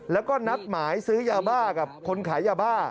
แล้วก็นัดหมายซื้อยาบ้ากับคนขายยาบ้า